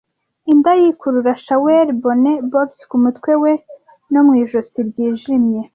Indaya ikurura shaweli, bonnet bobs ku mutwe we no mu ijosi ryijimye,